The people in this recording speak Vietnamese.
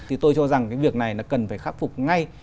thì tôi cho rằng cái việc này là cần phải khắc phục ngay